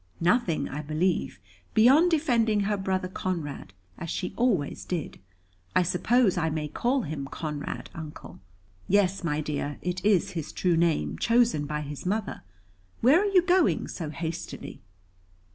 "Nothing, I believe, beyond defending her brother Conrad, as she always did. I suppose I may call him 'Conrad,' Uncle?" "Yes, my dear, it is his true name, chosen by his mother. Where are you going so hastily?"